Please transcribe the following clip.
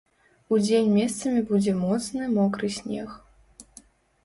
Удзень месцамі будзе моцны мокры снег.